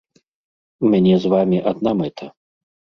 У мяне з вамі адна мэта.